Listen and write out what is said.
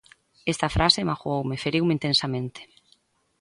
Esa frase magooume, feriume intensamente.